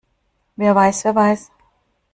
Wer weiß, wer weiß?